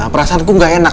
perasaanku gak enak